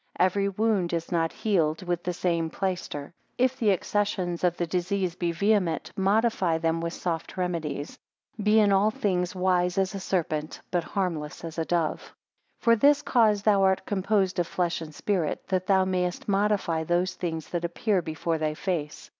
8 Every wound is not healed with the same plaister: if the accessions of the disease be vehement, modify them with soft remedies: be in all things wise as a serpent, but harmless as a dove. 9 For this cause thou art composed of flesh and spirit; that thou mayest modify those things that appear before thy face.